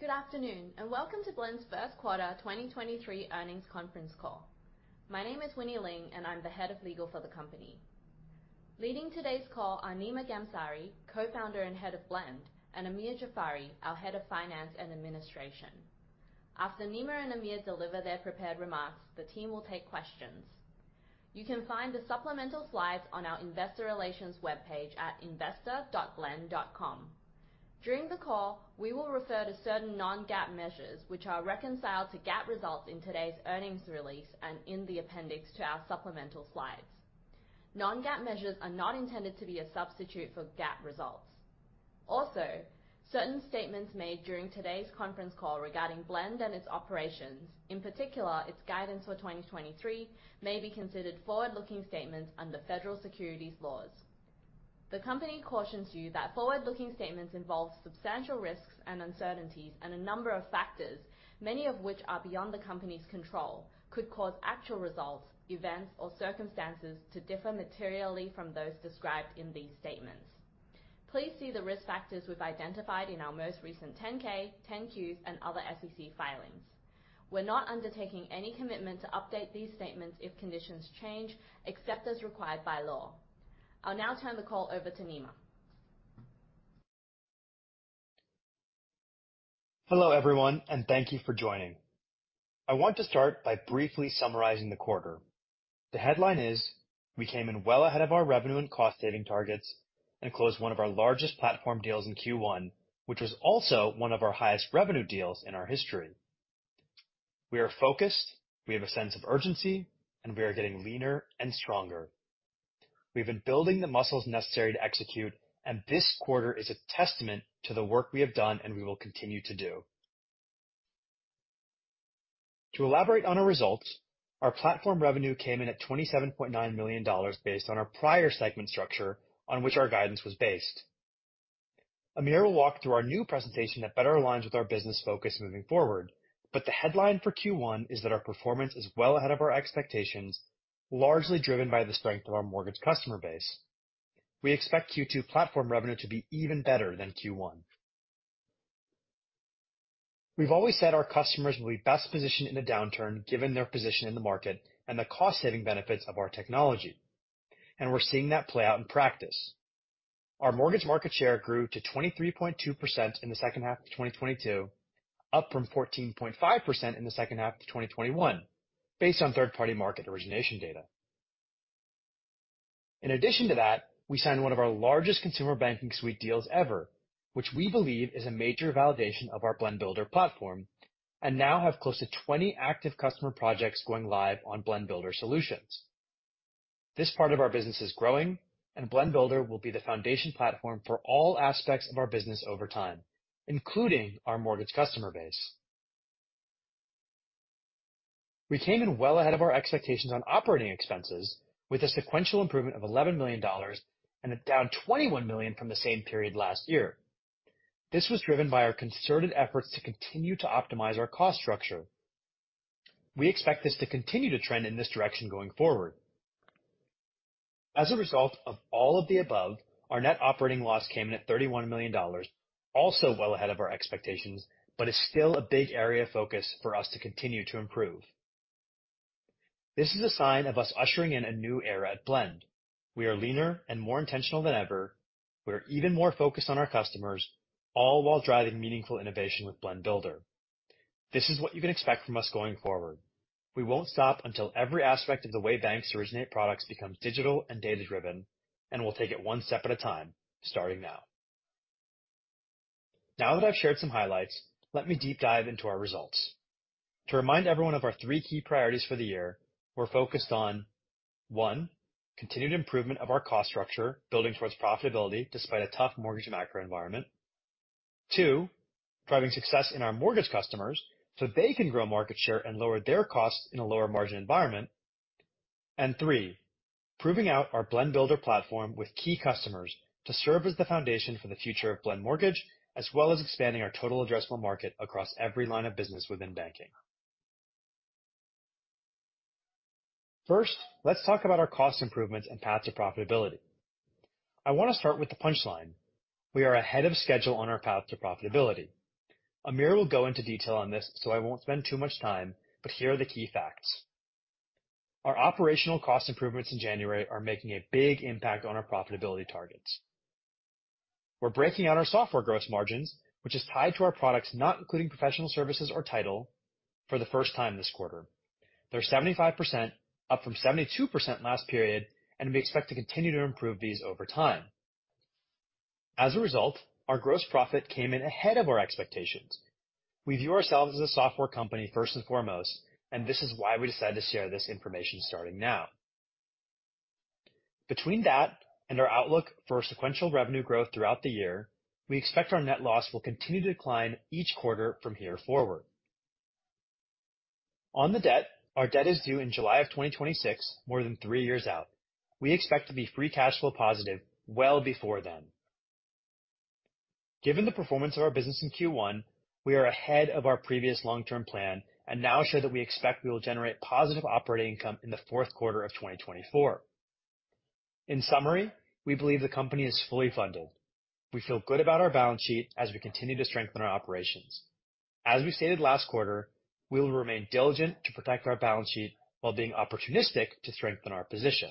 Good afternoon. Welcome to Blend's first quarter 2023 earnings conference call. My name is Winnie Ling. I'm the head of legal for the company. Leading today's call are Nima Ghamsari, Co-Founder and Head of Blend, and Amir Jafari, our Head of Finance and Administration. After Nima and Amir deliver their prepared remarks, the team will take questions. You can find the supplemental slides on our investor relations webpage at investor.blend.com. During the call, we will refer to certain non-GAAP measures which are reconciled to GAAP results in today's earnings release and in the appendix to our supplemental slides. Non-GAAP measures are not intended to be a substitute for GAAP results. Certain statements made during today's conference call regarding Blend and its operations, in particular, its guidance for 2023, may be considered forward-looking statements under federal securities laws. The company cautions you that forward-looking statements involve substantial risks and uncertainties, and a number of factors, many of which are beyond the company's control, could cause actual results, events or circumstances to differ materially from those described in these statements. Please see the risk factors we've identified in our most recent 10-K, 10-Qs, and other SEC filings. We're not undertaking any commitment to update these statements if conditions change, except as required by law. I'll now turn the call over to Nima. Hello, everyone, and thank you for joining. I want to start by briefly summarizing the quarter. The headline is we came in well ahead of our revenue and cost-saving targets and closed one of our largest platform deals in Q1, which was also one of our highest revenue deals in our history. We are focused, we have a sense of urgency, and we are getting leaner and stronger. We've been building the muscles necessary to execute, and this quarter is a testament to the work we have done and we will continue to do. To elaborate on our results, our platform revenue came in at $27.9 million based on our prior segment structure on which our guidance was based. Amir will walk through our new presentation that better aligns with our business focus moving forward. The headline for Q1 is that our performance is well ahead of our expectations, largely driven by the strength of our mortgage customer base. We expect Q2 platform revenue to be even better than Q1. We've always said our customers will be best positioned in a downturn given their position in the market and the cost-saving benefits of our technology, and we're seeing that play out in practice. Our mortgage market share grew to 23.2% in the second half of 2022, up from 14.5% in the second half of 2021, based on third-party market origination data. In addition to that, we signed one of our largest Consumer Banking Suite deals ever, which we believe is a major validation of our Blend Builder platform, and now have close to 20 active customer projects going live on Blend Builder solutions. This part of our business is growing. Blend Builder will be the foundation platform for all aspects of our business over time, including our mortgage customer base. We came in well ahead of our expectations on operating expenses with a sequential improvement of $11 million and down $21 million from the same period last year. This was driven by our concerted efforts to continue to optimize our cost structure. We expect this to continue to trend in this direction going forward. As a result of all of the above, our net operating loss came in at $31 million, also well ahead of our expectations, but is still a big area of focus for us to continue to improve. This is a sign of us ushering in a new era at Blend. We are leaner and more intentional than ever. We're even more focused on our customers, all while driving meaningful innovation with Blend Builder. This is what you can expect from us going forward. We won't stop until every aspect of the way banks originate products becomes digital and data-driven. We'll take it one step at a time, starting now. Now that I've shared some highlights, let me deep dive into our results. To remind everyone of our three key priorities for the year, we're focused on, one, continued improvement of our cost structure, building towards profitability despite a tough mortgage macro environment. two, driving success in our mortgage customers they can grow market share and lower their costs in a lower margin environment. Three, proving out our Blend Builder platform with key customers to serve as the foundation for the future of Blend Mortgage, as well as expanding our total addressable market across every line of business within banking. Let's talk about our cost improvements and path to profitability. I want to start with the punchline. We are ahead of schedule on our path to profitability. Amir will go into detail on this, I won't spend too much time, Here are the key facts. Our operational cost improvements in January are making a big impact on our profitability targets. We're breaking out our software gross margins, which is tied to our products not including professional services or title for the first time this quarter. They're 75%, up from 72% last period, We expect to continue to improve these over time. As a result, our gross profit came in ahead of our expectations. We view ourselves as a software company first and foremost, and this is why we decided to share this information starting now. Between that and our outlook for sequential revenue growth throughout the year, we expect our net loss will continue to decline each quarter from here forward. On the debt, our debt is due in July of 2026, more than three years out. We expect to be free cash flow positive well before then. Given the performance of our business in Q1, we are ahead of our previous long-term plan and now show that we expect we will generate positive operating income in the fourth quarter of 2024. In summary, we believe the company is fully funded. We feel good about our balance sheet as we continue to strengthen our operations. As we stated last quarter, we will remain diligent to protect our balance sheet while being opportunistic to strengthen our position.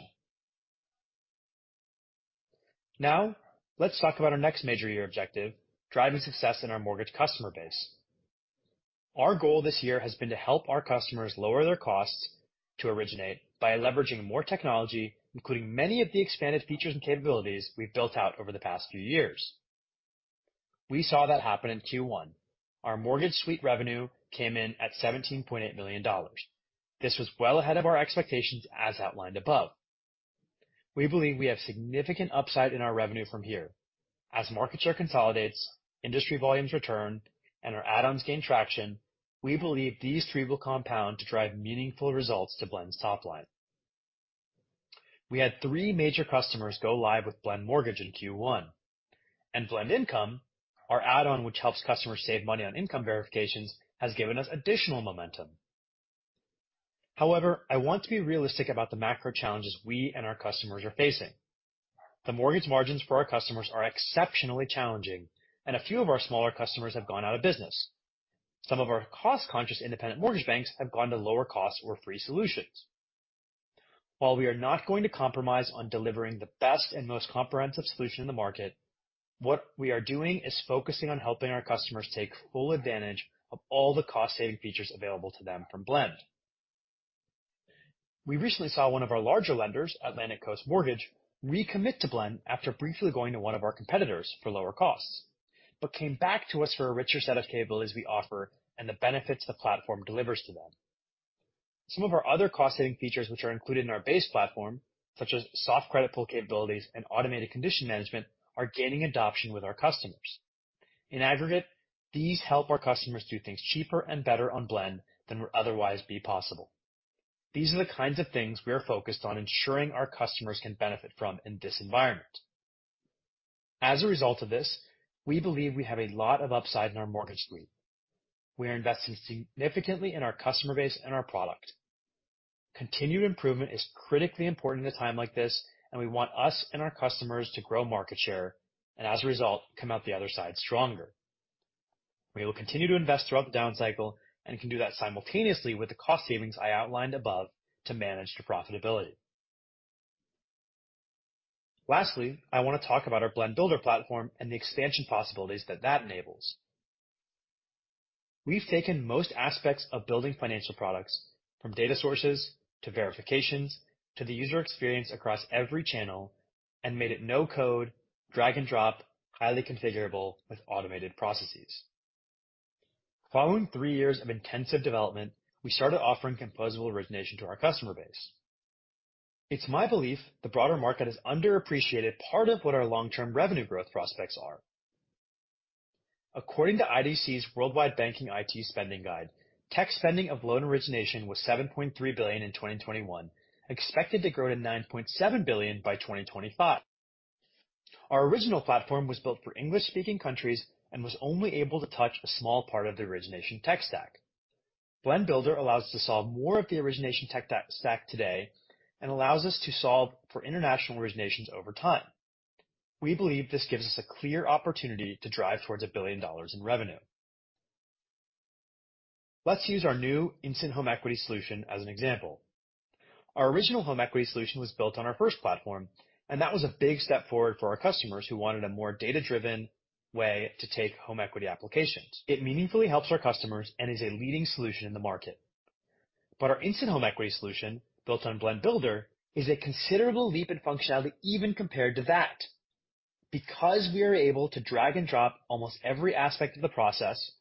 Now, let's talk about our next major year objective, driving success in our mortgage customer base. Our goal this year has been to help our customers lower their costs to originate by leveraging more technology, including many of the expanded features and capabilities we've built out over the past few years. We saw that happen in Q1. Our Mortgage Suite revenue came in at $17.8 million. This was well ahead of our expectations, as outlined above. We believe we have significant upside in our revenue from here. As market share consolidates, industry volumes return, and our add-ons gain traction, we believe these three will compound to drive meaningful results to Blend's top line. We had three major customers go live with Blend Mortgage in Q1. Blend Income, our add-on which helps customers save money on income verifications, has given us additional momentum. However, I want to be realistic about the macro challenges we and our customers are facing. The mortgage margins for our customers are exceptionally challenging, and a few of our smaller customers have gone out of business. Some of our cost-conscious independent mortgage banks have gone to lower costs or free solutions. While we are not going to compromise on delivering the best and most comprehensive solution in the market, what we are doing is focusing on helping our customers take full advantage of all the cost-saving features available to them from Blend. We recently saw one of our larger lenders, Atlantic Coast Mortgage, recommit to Blend after briefly going to one of our competitors for lower costs, came back to us for a richer set of capabilities we offer and the benefits the platform delivers to them. Some of our other cost-saving features which are included in our base platform, such as soft credit pull capabilities and automated condition management, are gaining adoption with our customers. In aggregate, these help our customers do things cheaper and better on Blend than would otherwise be possible. These are the kinds of things we are focused on ensuring our customers can benefit from in this environment. As a result of this, we believe we have a lot of upside in our Mortgage Suite. We are investing significantly in our customer base and our product. Continued improvement is critically important in a time like this, and we want us and our customers to grow market share and as a result, come out the other side stronger. We will continue to invest throughout the down cycle and can do that simultaneously with the cost savings I outlined above to manage the profitability. Lastly, I want to talk about our Blend Builder platform and the expansion possibilities that enables. We've taken most aspects of building financial products, from data sources to verifications to the user experience across every channel and made it no code, drag and drop, highly configurable with automated processes. Following three years of intensive development, we started offering composable origination to our customer base. It's my belief the broader market has underappreciated part of what our long-term revenue growth prospects are. According to IDC's Worldwide Banking IT Spending Guide, tech spending of loan origination was $7.3 billion in 2021, expected to grow to $9.7 billion by 2025. Our original platform was built for English-speaking countries and was only able to touch a small part of the origination tech stack. Blend Builder allows us to solve more of the origination tech stack today and allows us to solve for international originations over time. We believe this gives us a clear opportunity to drive towards $1 billion in revenue. Let's use our new Instant Home Equity solution as an example. Our original home equity solution was built on our first platform, that was a big step forward for our customers who wanted a more data-driven way to take home equity applications. It meaningfully helps our customers and is a leading solution in the market. Our Instant Home Equity solution, built on Blend Builder, is a considerable leap in functionality even compared to that. We are able to drag and drop almost every aspect of the process,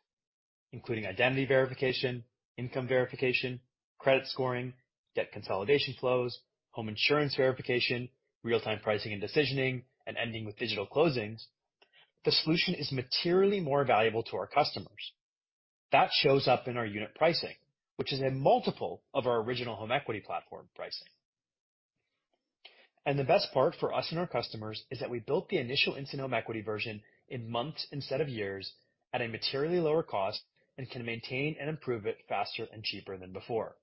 including identity verification, income verification, credit scoring, debt consolidation flows, home insurance verification, real-time pricing and decisioning, and ending with digital closings, the solution is materially more valuable to our customers. That shows up in our unit pricing, which is a multiple of our original home equity platform pricing. The best part for us and our customers is that we built the initial Instant Home Equity version in months instead of years at a materially lower cost and can maintain and improve it faster and cheaper than before.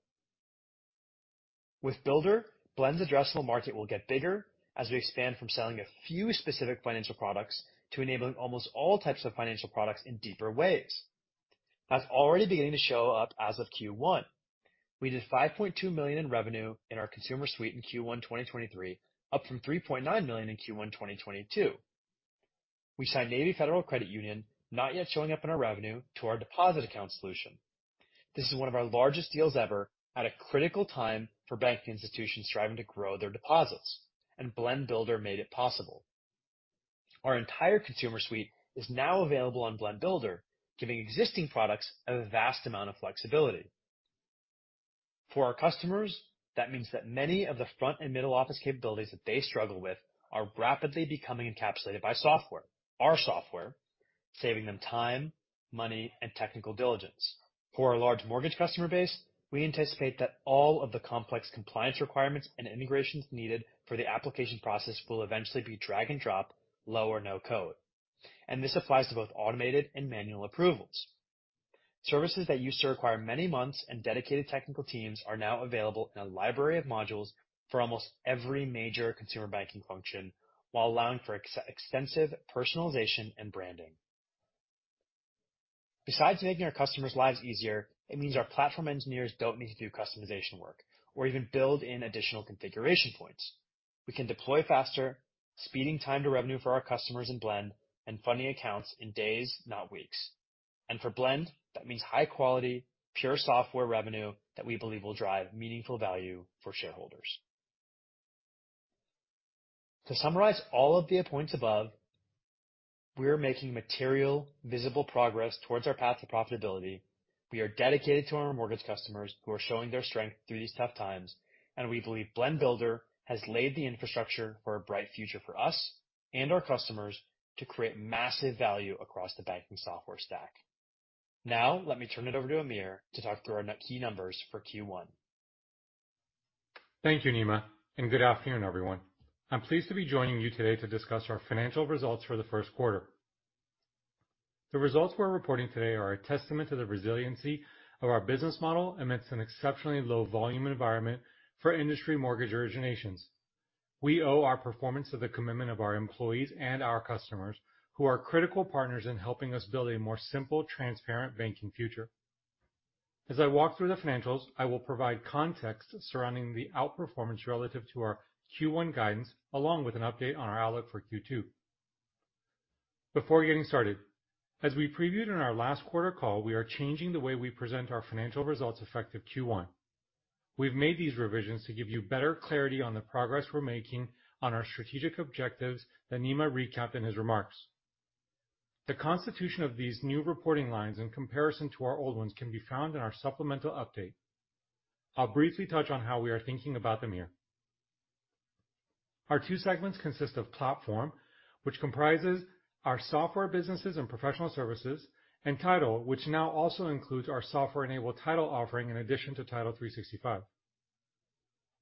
With Builder, Blend's addressable market will get bigger as we expand from selling a few specific financial products to enabling almost all types of financial products in deeper ways. That's already beginning to show up as of Q1. We did $5.2 million in revenue in our consumer suite in Q1, 2023, up from $3.9 million in Q1, 2022. We signed Navy Federal Credit Union, not yet showing up in our revenue, to our deposit account solution. This is one of our largest deals ever at a critical time for banking institutions striving to grow their deposits, and Blend Builder made it possible. Our entire consumer suite is now available on Blend Builder, giving existing products a vast amount of flexibility. For our customers, that means that many of the front and middle office capabilities that they struggle with are rapidly becoming encapsulated by software, our software, saving them time, money, and technical diligence. For our large mortgage customer base, we anticipate that all of the complex compliance requirements and integrations needed for the application process will eventually be drag and drop, low or no code. This applies to both automated and manual approvals. Services that used to require many months and dedicated technical teams are now available in a library of modules for almost every major consumer banking function, while allowing for extensive personalization and branding. Besides making our customers' lives easier, it means our platform engineers don't need to do customization work or even build in additional configuration points. We can deploy faster, speeding time to revenue for our customers in Blend and funding accounts in days, not weeks. For Blend, that means high-quality, pure software revenue that we believe will drive meaningful value for shareholders. To summarize all of the points above, we are making material visible progress towards our path to profitability. We are dedicated to our mortgage customers who are showing their strength through these tough times, and we believe Blend Builder has laid the infrastructure for a bright future for us and our customers to create massive value across the banking software stack. Now, let me turn it over to Amir to talk through our net key numbers for Q1. Thank you, Nima, and good afternoon, everyone. I'm pleased to be joining you today to discuss our financial results for the first quarter. The results we're reporting today are a testament to the resiliency of our business model amidst an exceptionally low volume environment for industry mortgage originations. We owe our performance to the commitment of our employees and our customers, who are critical partners in helping us build a more simple, transparent banking future. As I walk through the financials, I will provide context surrounding the outperformance relative to our Q1 guidance, along with an update on our outlook for Q2. Before getting started, as we previewed in our last quarter call, we are changing the way we present our financial results effective Q1. We've made these revisions to give you better clarity on the progress we're making on our strategic objectives that Nima recapped in his remarks. The constitution of these new reporting lines in comparison to our old ones can be found in our supplemental update. I'll briefly touch on how we are thinking about them here. Our two segments consist of Platform, which comprises our software businesses and professional services, and Title, which now also includes our software-enabled title offering in addition to Title365.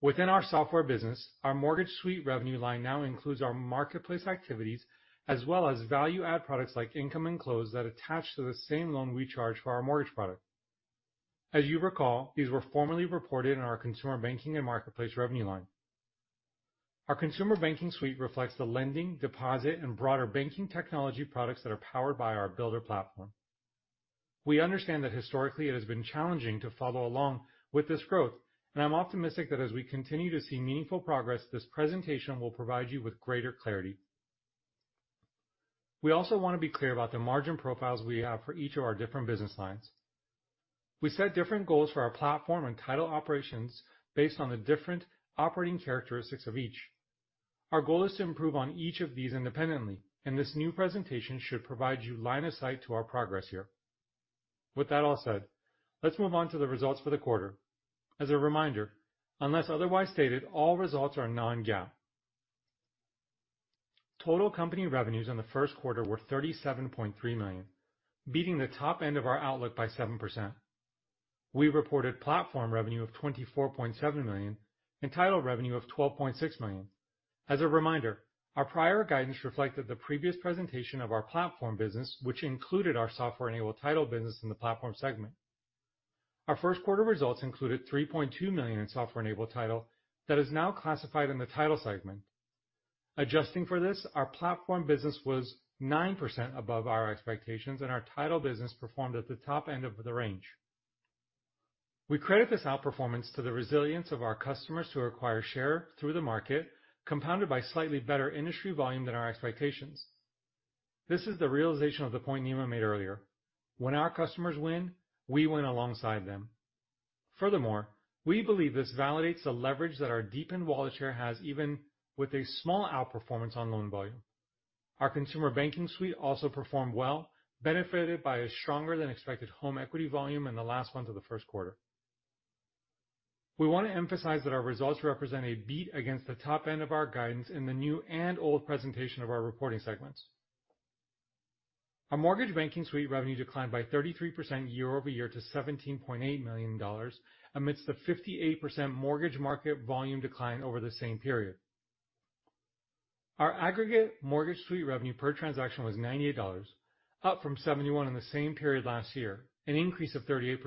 Within our software business, our Mortgage Suite revenue line now includes our marketplace activities as well as value-add products like Income and Close that attach to the same loan we charge for our mortgage product. As you recall, these were formerly reported in our consumer banking and marketplace revenue line. Our Consumer Banking Suite reflects the lending, deposit, and broader banking technology products that are powered by our Blend Builder platform. We understand that historically it has been challenging to follow along with this growth, and I'm optimistic that as we continue to see meaningful progress, this presentation will provide you with greater clarity. We also want to be clear about the margin profiles we have for each of our different business lines. We set different goals for our platform and title operations based on the different operating characteristics of each. Our goal is to improve on each of these independently, and this new presentation should provide you line of sight to our progress here. With that all said, let's move on to the results for the quarter. As a reminder, unless otherwise stated, all results are non-GAAP. Total company revenues in the first quarter were $37.3 million, beating the top end of our outlook by 7%. We reported platform revenue of $24.7 million and title revenue of $12.6 million. As a reminder, our prior guidance reflected the previous presentation of our platform business, which included our software-enabled title business in the platform segment. Our first quarter results included $3.2 million in software-enabled title that is now classified in the title segment. Adjusting for this, our platform business was 9% above our expectations, and our title business performed at the top end of the range. We credit this outperformance to the resilience of our customers who acquire share through the market, compounded by slightly better industry volume than our expectations. This is the realization of the point Nima made earlier. When our customers win, we win alongside them. We believe this validates the leverage that our deepened wallet share has even with a small outperformance on loan volume. Our Consumer Banking Suite also performed well, benefited by a stronger-than-expected home equity volume in the last months of the first quarter. We want to emphasize that our results represent a beat against the top end of our guidance in the new and old presentation of our reporting segments. Our Mortgage Suite revenue declined by 33% year-over-year to $17.8 million amidst the 58% mortgage market volume decline over the same period. Our aggregate Mortgage Suite revenue per transaction was $98, up from $71 in the same period last year, an increase of 38%.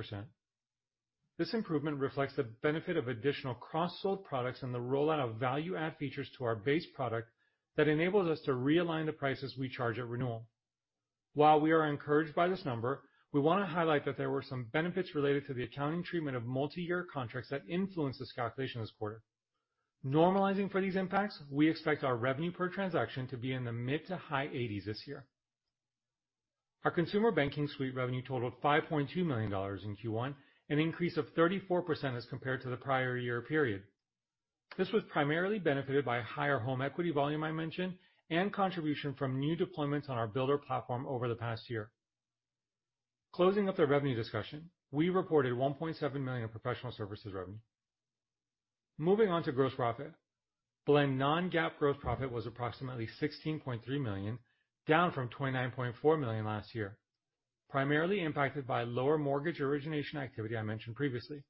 This improvement reflects the benefit of additional cross-sold products and the rollout of value-add features to our base product that enables us to realign the prices we charge at renewal. While we are encouraged by this number, we want to highlight that there were some benefits related to the accounting treatment of multiyear contracts that influenced this calculation this quarter. Normalizing for these impacts, we expect our revenue per transaction to be in the mid to high 80s this year. Our Consumer Banking Suite revenue totaled $5.2 million in Q1, an increase of 34% as compared to the prior year period. This was primarily benefited by higher home equity volume I mentioned and contribution from new deployments on our Builder platform over the past year. Closing up the revenue discussion, we reported $1.7 million in professional services revenue. Moving on to gross profit. Blend non-GAAP gross profit was approximately $16.3 million, down from $29.4 million last year, primarily impacted by lower mortgage origination activity I mentioned previously.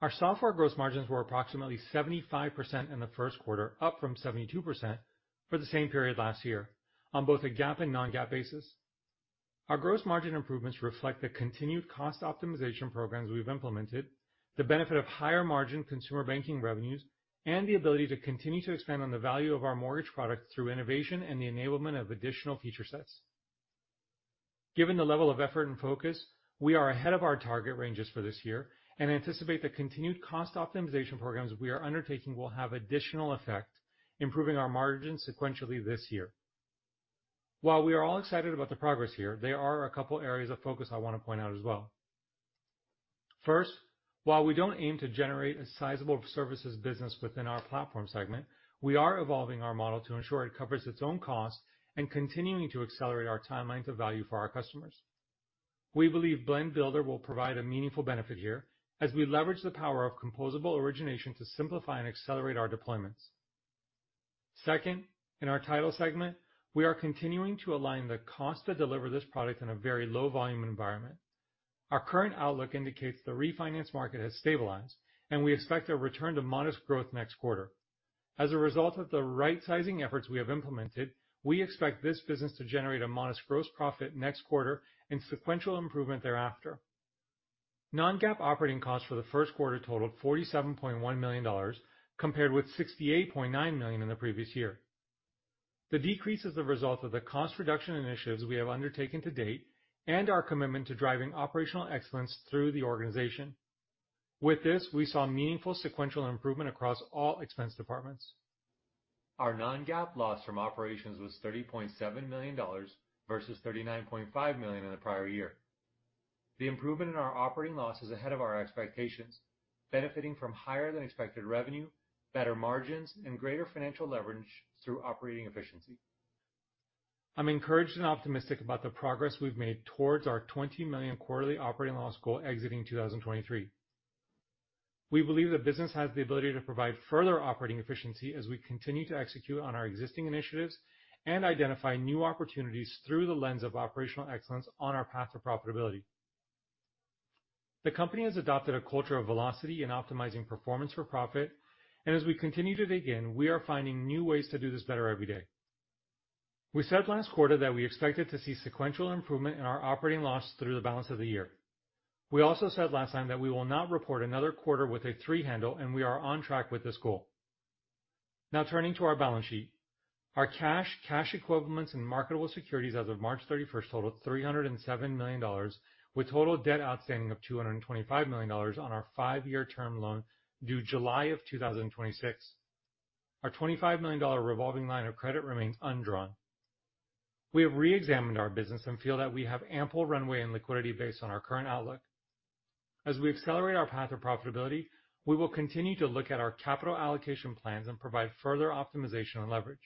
Our software gross margins were approximately 75% in the first quarter, up from 72% for the same period last year on both a GAAP and non-GAAP basis. Our gross margin improvements reflect the continued cost optimization programs we've implemented, the benefit of higher margin consumer banking revenues, and the ability to continue to expand on the value of our mortgage products through innovation and the enablement of additional feature sets. Given the level of effort and focus, we are ahead of our target ranges for this year and anticipate the continued cost optimization programs we are undertaking will have additional effect, improving our margins sequentially this year. While we are all excited about the progress here, there are a couple areas of focus I want to point out as well. First, while we don't aim to generate a sizable services business within our platform segment, we are evolving our model to ensure it covers its own cost and continuing to accelerate our timeline to value for our customers. We believe Blend Builder will provide a meaningful benefit here as we leverage the power of composable origination to simplify and accelerate our deployments. Second, in our title segment, we are continuing to align the cost to deliver this product in a very low volume environment. Our current outlook indicates the refinance market has stabilized, and we expect a return to modest growth next quarter. As a result of the right sizing efforts we have implemented, we expect this business to generate a modest gross profit next quarter and sequential improvement thereafter. Non-GAAP operating costs for the first quarter totaled $47.1 million, compared with $68.9 million in the previous year. The decrease is the result of the cost reduction initiatives we have undertaken to date and our commitment to driving operational excellence through the organization. With this, we saw meaningful sequential improvement across all expense departments. Our Non-GAAP loss from operations was $30.7 million versus $39.5 million in the prior year. The improvement in our operating loss is ahead of our expectations, benefiting from higher than expected revenue, better margins, and greater financial leverage through operating efficiency. I'm encouraged and optimistic about the progress we've made towards our $20 million quarterly operating loss goal exiting 2023. We believe the business has the ability to provide further operating efficiency as we continue to execute on our existing initiatives and identify new opportunities through the lens of operational excellence on our path to profitability. The company has adopted a culture of velocity in optimizing performance for profit. As we continue to dig in, we are finding new ways to do this better every day. We said last quarter that we expected to see sequential improvement in our operating loss through the balance of the year. We also said last time that we will not report another quarter with a three handle, and we are on track with this goal. Now turning to our balance sheet. Our cash equivalents, and marketable securities as of March 31st totaled $307 million, with total debt outstanding of $225 million on our five-year term loan due July of 2026. Our $25 million revolving line of credit remains undrawn. We have reexamined our business and feel that we have ample runway and liquidity based on our current outlook. As we accelerate our path to profitability, we will continue to look at our capital allocation plans and provide further optimization and leverage.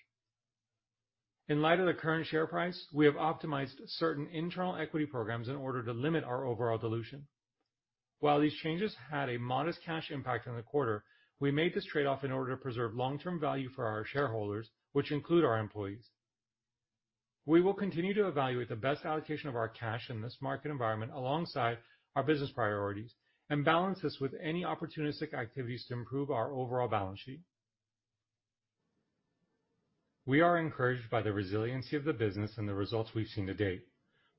In light of the current share price, we have optimized certain internal equity programs in order to limit our overall dilution. While these changes had a modest cash impact on the quarter, we made this trade-off in order to preserve long-term value for our shareholders, which include our employees. We will continue to evaluate the best allocation of our cash in this market environment alongside our business priorities and balance this with any opportunistic activities to improve our overall balance sheet. We are encouraged by the resiliency of the business and the results we've seen to date,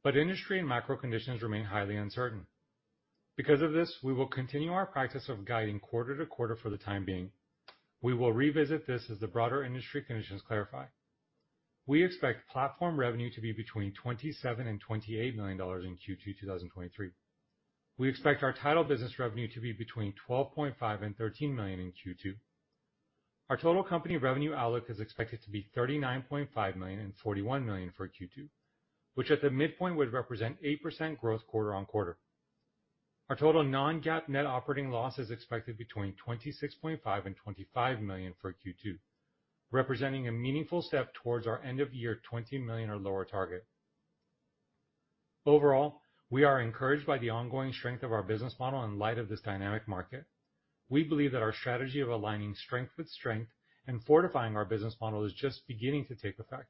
but industry and macro conditions remain highly uncertain. Because of this, we will continue our practice of guiding quarter-to-quarter for the time being. We will revisit this as the broader industry conditions clarify. We expect platform revenue to be between $27 million-$28 million in Q2 2023. We expect our title business revenue to be between $12.5 million-$13 million in Q2. Our total company revenue outlook is expected to be $39.5 million and $41 million for Q2, which at the midpoint would represent 8% growth quarter-on-quarter. Our total non-GAAP net operating loss is expected between $26.5 million and $25 million for Q2, representing a meaningful step towards our end of year $20 million or lower target. Overall, we are encouraged by the ongoing strength of our business model in light of this dynamic market. We believe that our strategy of aligning strength with strength and fortifying our business model is just beginning to take effect.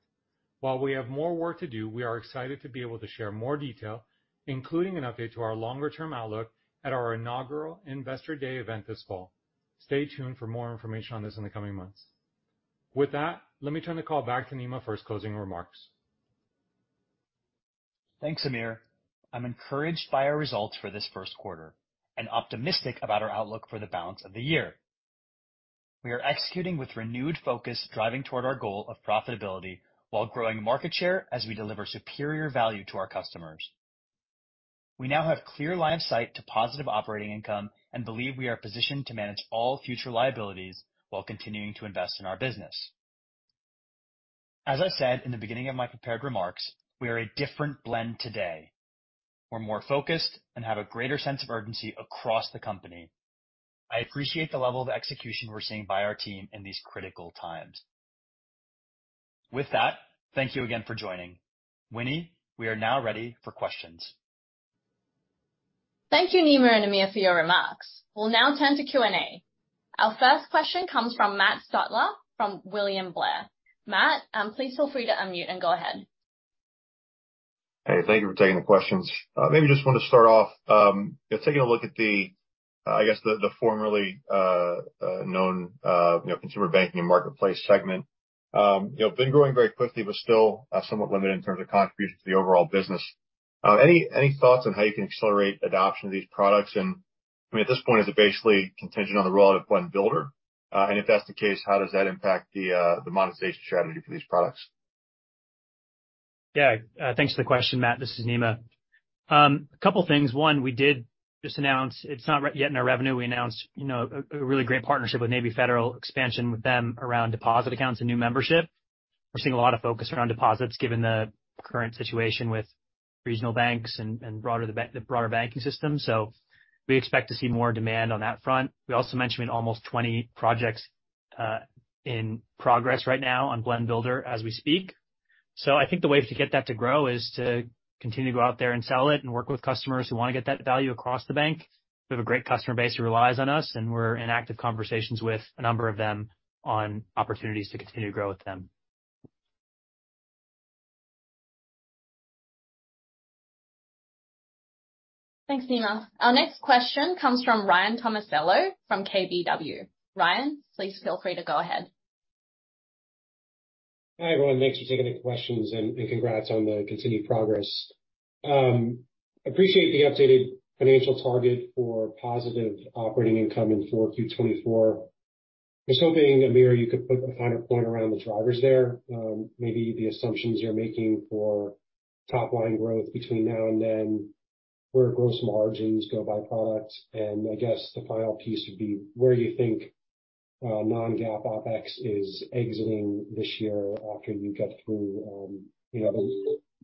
While we have more work to do, we are excited to be able to share more detail, including an update to our longer-term outlook at our inaugural Investor Day event this fall. Stay tuned for more information on this in the coming months. With that, let me turn the call back to Nima for his closing remarks. Thanks, Amir. I'm encouraged by our results for this first quarter and optimistic about our outlook for the balance of the year. We are executing with renewed focus, driving toward our goal of profitability while growing market share as we deliver superior value to our customers. We now have clear line of sight to positive operating income and believe we are positioned to manage all future liabilities while continuing to invest in our business. As I said in the beginning of my prepared remarks, we are a different Blend today. We're more focused and have a greater sense of urgency across the company. I appreciate the level of execution we're seeing by our team in these critical times. With that, thank you again for joining. Winnie, we are now ready for questions. Thank you, Nima and Amir, for your remarks. We'll now turn to Q&A. Our first question comes from Matt Stotler from William Blair. Matt, please feel free to unmute and go ahead. Hey, thank you for taking the questions. Maybe just want to start off, taking a look at the, I guess the formerly known, you know, consumer banking and marketplace segment. You know, been growing very quickly but still, somewhat limited in terms of contribution to the overall business. Any thoughts on how you can accelerate adoption of these products? I mean, at this point, is it basically contingent on the role of Blend Builder? If that's the case, how does that impact the monetization strategy for these products? Yeah. Thanks for the question, Matt. This is Nima. A couple things. One, we did just announce it's not yet in our revenue. We announced, you know, a really great partnership with Navy Federal, expansion with them around deposit accounts and new membership. We're seeing a lot of focus around deposits given the current situation with regional banks and broader the banking system. We expect to see more demand on that front. We also mentioned almost 20 projects in progress right now on Blend Builder as we speak. I think the way to get that to grow is to continue to go out there and sell it and work with customers who wanna get that value across the bank. We have a great customer base who relies on us, and we're in active conversations with a number of them on opportunities to continue to grow with them. Thanks, Nima. Our next question comes from Ryan Tomasello from KBW. Ryan, please feel free to go ahead. Hi, everyone. Thanks for taking the questions and congrats on the continued progress. Appreciate the updated financial target for positive operating income in 4Q 2024. I was hoping, Amir, you could put a finer point around the drivers there, maybe the assumptions you're making for top line growth between now and then, where gross margins go by product. I guess the final piece would be where you think non-GAAP OpEx is exiting this year after you get through, you know,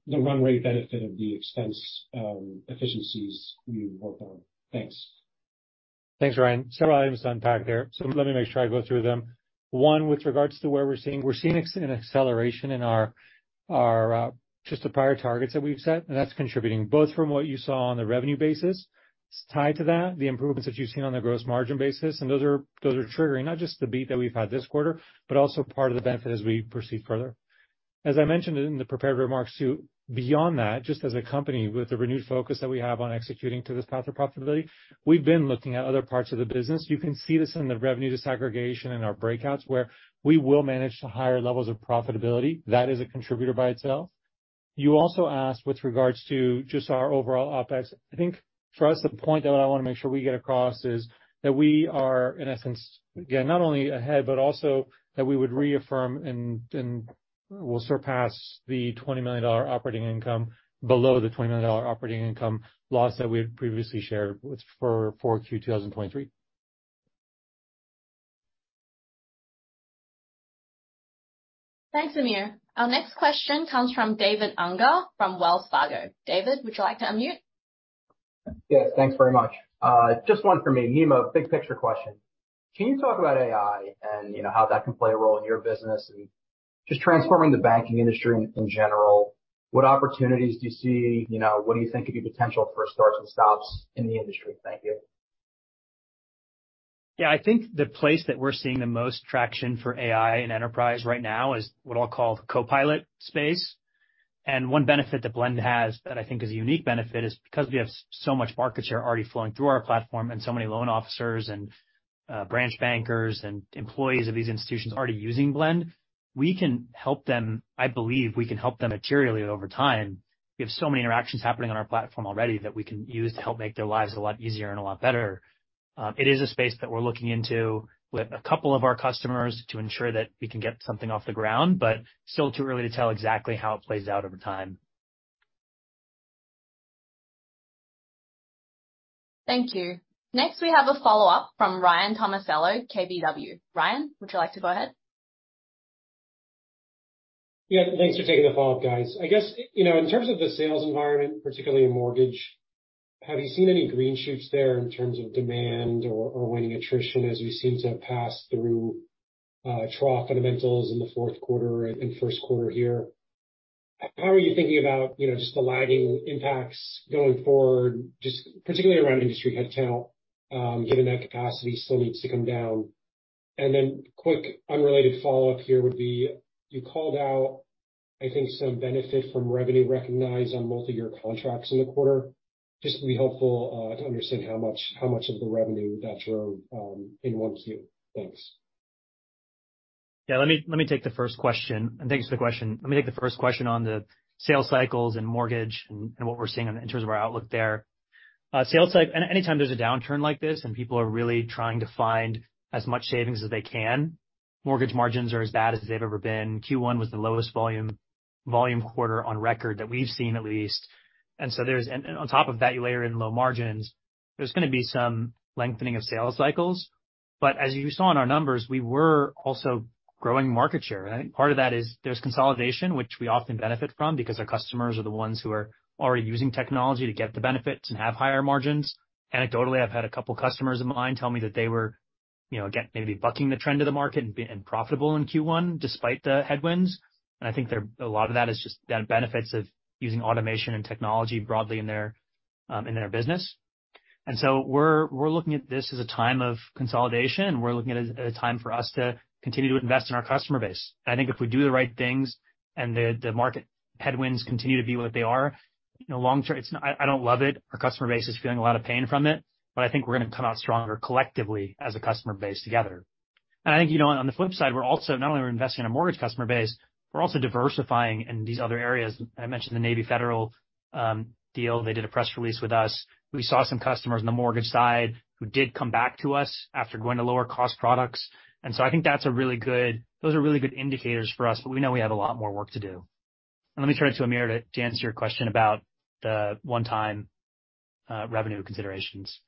the run rate benefit of the expense efficiencies you've worked on. Thanks. Thanks, Ryan. Several items to unpack there, let me make sure I go through them. One, with regards to where we're seeing. We're seeing an acceleration in our just the prior targets that we've set, that's contributing both from what you saw on the revenue basis. It's tied to that, the improvements that you've seen on the gross margin basis. Those are triggering not just the beat that we've had this quarter, but also part of the benefit as we proceed further. As I mentioned in the prepared remarks too, beyond that, just as a company with the renewed focus that we have on executing to this path or profitability, we've been looking at other parts of the business. You can see this in the revenue disaggregation in our breakouts, where we will manage to higher levels of profitability. That is a contributor by itself. You also asked with regards to just our overall OpEx. I think for us, the point that I wanna make sure we get across is that we are, in essence, again, not only ahead, but also that we would reaffirm and will surpass the $20 million operating income below the $20 million operating income loss that we had previously shared for 4Q 2023. Thanks, Amir. Our next question comes from David Unger from Wells Fargo. David, would you like to unmute? Yes, thanks very much. Just one for me. Nima, big picture question. Can you talk about AI and, you know, how that can play a role in your business and just transforming the banking industry in general? What opportunities do you see? You know, what do you think could be potential for starts and stops in the industry? Thank you. Yeah. I think the place that we're seeing the most traction for AI in enterprise right now is what I'll call Copilot space. One benefit that Blend has that I think is a unique benefit is because we have so much market share already flowing through our platform and so many loan officers and branch bankers and employees of these institutions already using Blend, we can help them. I believe we can help them materially over time. We have so many interactions happening on our platform already that we can use to help make their lives a lot easier and a lot better. It is a space that we're looking into with a couple of our customers to ensure that we can get something off the ground, but still too early to tell exactly how it plays out over time. Thank you. Next, we have a follow-up from Ryan Tomasello, KBW. Ryan, would you like to go ahead? Yeah, thanks for taking the follow-up, guys. I guess, you know, in terms of the sales environment, particularly in mortgage, have you seen any green shoots there in terms of demand or winning attrition as you seem to have passed through trough fundamentals in the fourth quarter and in first quarter here? How are you thinking about, you know, just the lagging impacts going forward, just particularly around industry head count given that capacity still needs to come down? Quick unrelated follow-up here would be, you called out, I think, some benefit from revenue recognized on multiyear contracts in the quarter. Just to be helpful to understand how much, how much of the revenue that drove in 1Q? Thanks. Yeah, let me take the first question. Thanks for the question. Let me take the first question on the sales cycles and mortgage and what we're seeing in terms of our outlook there. Sales cycle. Anytime there's a downturn like this and people are really trying to find as much savings as they can, mortgage margins are as bad as they've ever been. Q1 was the lowest volume quarter on record that we've seen at least. On top of that, you layer in low margins, there's gonna be some lengthening of sales cycles. As you saw in our numbers, we were also growing market share. I think part of that is there's consolidation, which we often benefit from because our customers are the ones who are already using technology to get the benefits and have higher margins. Anecdotally, I've had a couple customers of mine tell me that they were, you know, again, maybe bucking the trend of the market and profitable in Q1 despite the headwinds. I think a lot of that is just the benefits of using automation and technology broadly in their business. We're looking at this as a time of consolidation. We're looking at it as a time for us to continue to invest in our customer base. I think if we do the right things and the market headwinds continue to be what they are, you know, long-term it's not. I don't love it. Our customer base is feeling a lot of pain from it. I think we're gonna come out stronger collectively as a customer base together. I think, you know, on the flip side, we're also not only we're investing in a mortgage customer base, we're also diversifying in these other areas. I mentioned the Navy Federal deal. They did a press release with us. We saw some customers on the mortgage side who did come back to us after going to lower cost products. I think those are really good indicators for us, but we know we have a lot more work to do. Let me turn it to Amir to answer your question about the one-time revenue considerations.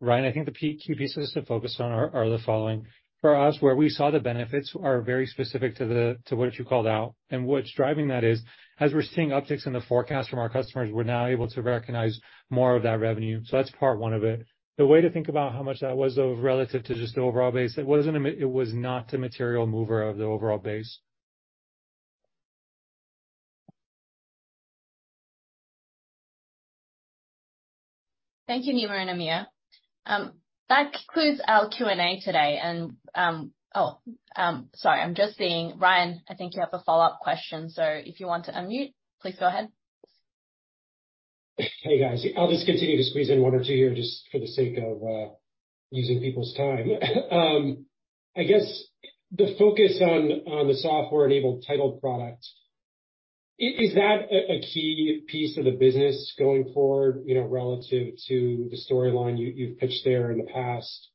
Ryan, I think the key pieces to focus on are the following. For us, where we saw the benefits are very specific to what you called out. What's driving that is, as we're seeing upticks in the forecast from our customers, we're now able to recognize more of that revenue. That's part one of it. The way to think about how much that was, though, relative to just the overall base, it was not a material mover of the overall base. Thank you, Nima and Amir. That concludes our Q&A today. Oh, sorry, I'm just seeing, Ryan, I think you have a follow-up question, so if you want to unmute, please go ahead. Hey, guys. I'll just continue to squeeze in one or two here just for the sake of using people's time. I guess the focus on the software-enabled title product, is that a key piece of the business going forward, you know, relative to the storyline you've pitched there in the past?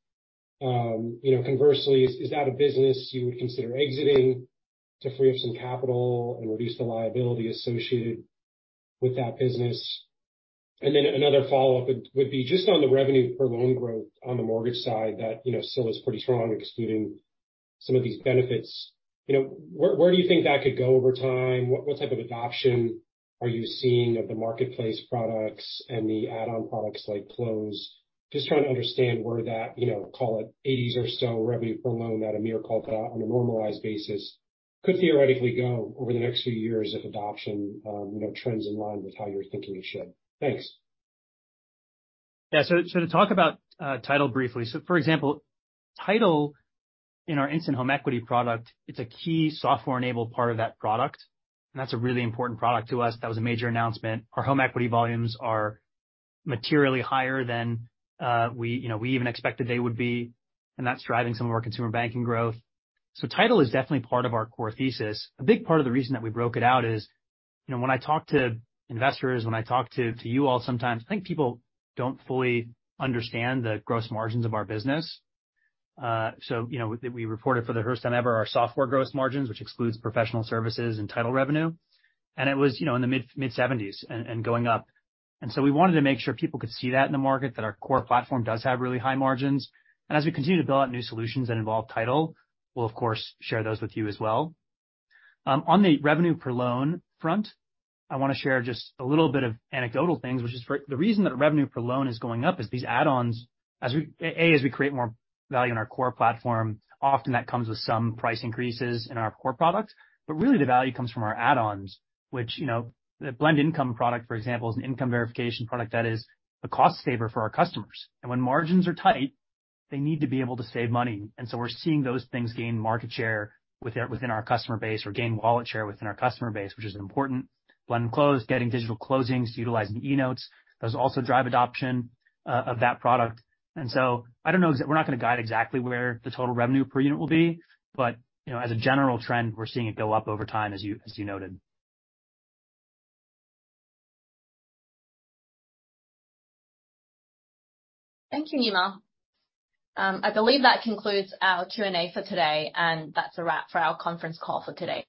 You know, conversely, is that a business you would consider exiting to free up some capital and reduce the liability associated with that business? Another follow-up would be just on the revenue per loan growth on the mortgage side that, you know, still is pretty strong, excluding some of these benefits. You know, where do you think that could go over time? What type of adoption are you seeing of the marketplace products and the add-on products like Close? Just trying to understand where that, you know, call it 80s or so revenue per loan that Amir called out on a normalized basis could theoretically go over the next few years if adoption, you know, trends in line with how you're thinking it should. Thanks. To talk about Title briefly. For example, Title in our Instant Home Equity product, it's a key software-enabled part of that product, and that's a really important product to us. That was a major announcement. Our home equity volumes are materially higher than, you know, we even expected they would be, and that's driving some of our consumer banking growth. Title is definitely part of our core thesis. A big part of the reason that we broke it out is, you know, when I talk to investors, when I talk to you all sometimes, I think people don't fully understand the gross margins of our business. You know, we reported for the first time ever our software gross margins, which excludes professional services and Title revenue. It was, you know, in the mid-70s and going up. We wanted to make sure people could see that in the market, that our core platform does have really high margins. As we continue to build out new solutions that involve Title, we'll of course, share those with you as well. On the revenue per loan front, I wanna share just a little bit of anecdotal things, which is for the reason that revenue per loan is going up is these add-ons. As we create more value in our core platform, often that comes with some price increases in our core products. Really the value comes from our add-ons, which, you know, the Blend Income product, for example, is an income verification product that is a cost saver for our customers. When margins are tight, they need to be able to save money. We're seeing those things gain market share within our customer base or gain wallet share within our customer base, which is important. Blend Close, getting digital closings, utilizing eNotes, those also drive adoption of that product. I don't know, we're not gonna guide exactly where the total revenue per unit will be, but, you know, as a general trend, we're seeing it go up over time, as you noted. Thank you, Nima. I believe that concludes our Q&A for today, and that's a wrap for our conference call for today.